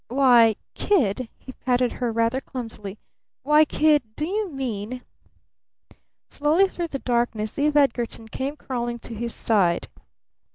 "Why Kid!" he patted her rather clumsily. "Why, Kid do you mean " Slowly through the darkness Eve Edgarton came crawling to his side.